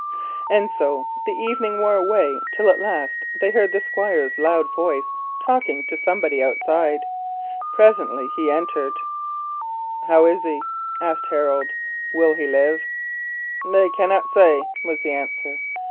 And so the evening wore away till at last they heard the Squire's loud voice talking to somebody outside. Presently he came in. "How is he?" asked Harold. "Will he live?" "They cannot say," was the answer.